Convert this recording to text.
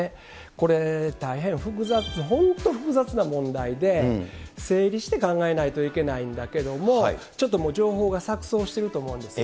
これ、大変複雑で、本当複雑な問題で、整理して考えないといけないんだけれども、ちょっともう情報が錯そうしていると思うんです。